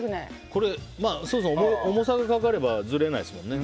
重さがかかればずれないですもんね。